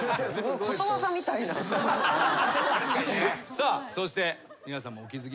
さあそして皆さんもお気付きだと思います。